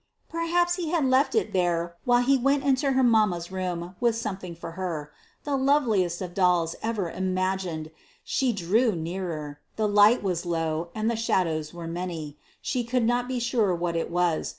Perhaps he had left it there while he went into her mamma's room with something for her. The loveliest of dolls ever imagined! She drew nearer. The light was low, and the shadows were many: she could not be sure what it was.